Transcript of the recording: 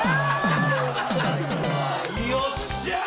よっしゃあ！